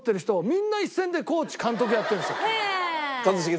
みんな一線でコーチ監督やってるんですよ。